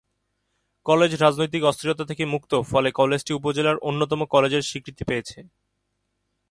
College রাজনৈতিক অস্থিরতা থেকে মুক্ত ফলে কলেজটি উপজেলার অন্যতম কলেজের স্বীকৃতি পেয়েছে।